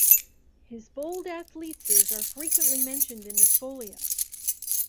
His bold atheteses are frequently mentioned in the scholia.